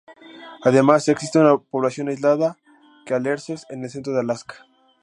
Además existe una población aislada de alerces en el centro de Alaska.